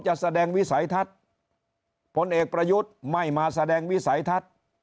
จะแสดงวิสัยทัศน์ผลเอกประยุทธ์ไม่มาแสดงวิสัยทัศน์